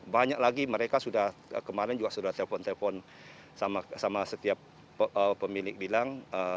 banyak lagi mereka sudah kemarin juga sudah telpon telpon sama setiap pemilik bilang